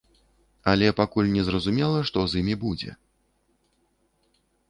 Але пакуль незразумела, што з імі будзе.